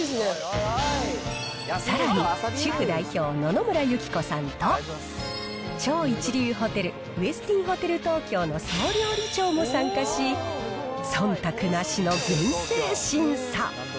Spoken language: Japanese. さらに、主婦代表、野々村友紀子さんと、超一流ホテル、ウェスティンホテル東京の総料理長も参加し、そんたくなしの厳正審査。